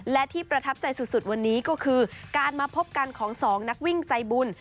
และที่ประทับใจสุดวันนี้ก็คือการมาพบกันของสองนักวิ่งใจบุญ